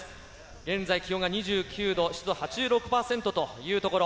現在、気温が２９度、湿度８６％というところ。